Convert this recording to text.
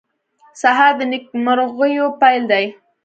سهار د نیکمرغیو پېل دی.